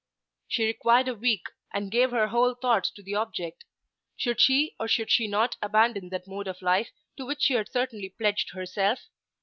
She required a week, and gave her whole thoughts to the object. Should she or should she not abandon that mode of life to which she had certainly pledged herself?